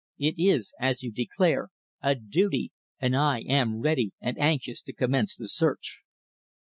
It is, as you declare, a duty, and I am ready and anxious to commence the search."